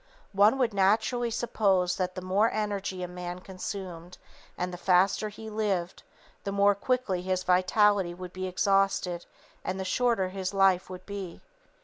One would naturally suppose that the more energy a man consumed, and the faster he lived, the more quickly his vitality would be exhausted and the shorter his life would be.